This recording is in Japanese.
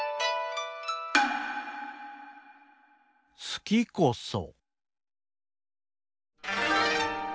「好きこそ」。